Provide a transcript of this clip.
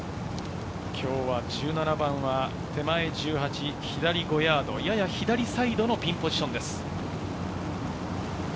今日は１７番は手前１８、左５ヤード、やや左サイドのピンポジションです。